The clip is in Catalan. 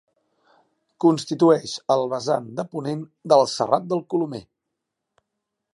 Constitueix el vessant de ponent del Serrat del Colomer.